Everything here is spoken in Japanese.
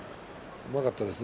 うまかったですね